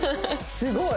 すごい！